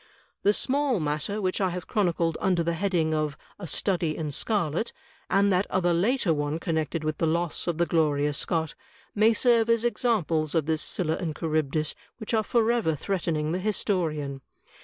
The small matter which I have chronicled under the heading of *A Study in Scarlet,' and that other later one connected with the loss of the Gloria Scott, may serve as examples of this Scylla and Charybdis which are forever threatening the historian.